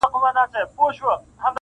په ځنګله کي د خپل ښکار په ننداره سو -